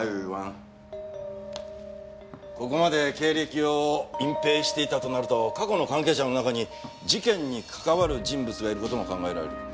ここまで経歴を隠蔽していたとなると過去の関係者の中に事件に関わる人物がいる事も考えられる。